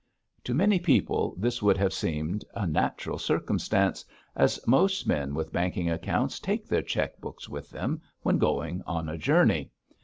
To many people this would have seemed a natural circumstance, as most men with banking accounts take their cheque books with them when going on a journey.